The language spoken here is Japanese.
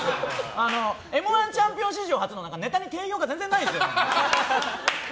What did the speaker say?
「Ｍ‐１」チャンピオン史上初のネタに定評が全然ないんですよね。